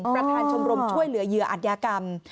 ประธานชมรมช่วยเหลือเหยื่ออัธยากรรม